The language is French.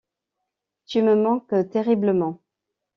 Tu me manques terriblement.